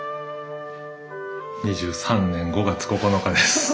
２３年５月９日です。